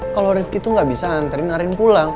kalo rifki tuh gak bisa anterin arin pulang